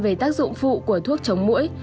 về tác dụng phụ của thuốc chống mũi